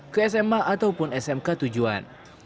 ke sma ataupun smk tujuan